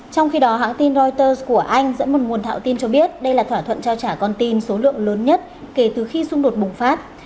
trong khi đó hãng tin reuters của anh dẫn một nguồn thạo tin cho biết đây là thỏa thuận trao trả con tin số lượng lớn nhất kể từ khi xung đột bùng phát